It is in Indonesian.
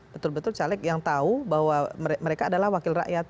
betul betul caleg yang tahu bahwa mereka adalah wakil rakyat